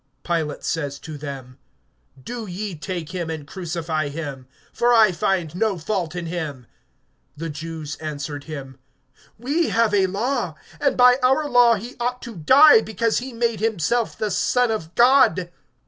Pilate says to them: Do ye take him, and crucify him; for I find no fault in him. (7)The Jews answered him: We have a law, and by our law he ought to die, because he made himself the Son of God.